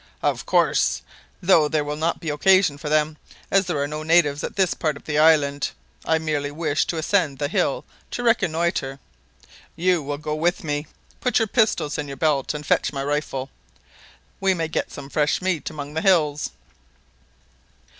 "Of course, though there will not be occasion for them, as there are no natives at this part of the island. I merely wish to ascend the hill to reconnoitre. You will go with me. Put your pistols in your belt, and fetch my rifle. We may get some fresh meat among the hills."